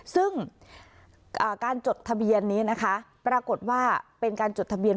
ซึ่งการจดทะเบียนนี้นะคะปรากฏว่าเป็นการจดทะเบียน